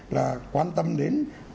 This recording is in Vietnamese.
là quan tâm đến